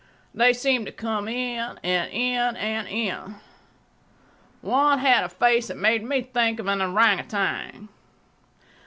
They seemed to come in—and in—and in. One had a face that made me think of an ourang outang.